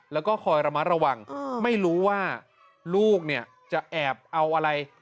แล้วก็คอยระมัดระวังไม่รู้ว่าลูกเนี่ยจะแอบเอาอะไร